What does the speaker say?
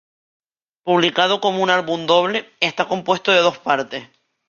Publicado como un álbum doble, está compuesto de dos partes.